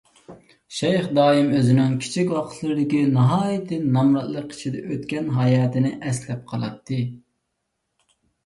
شەيخ دائىم ئۆزىنىڭ كىچىك ۋاقىتلىرىدىكى ناھايىتى نامراتلىق ئىچىدە ئۆتكەن ھاياتىنى ئەسلەپ قالاتتى.